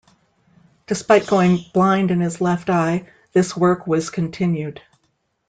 Despite going blind in his left eye, this work was continued.